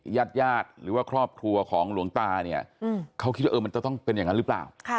ญาติญาติหรือว่าครอบครัวของหลวงตาเนี่ยเขาคิดว่ามันจะต้องเป็นอย่างนั้นหรือเปล่า